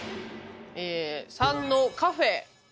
え③のカフェ。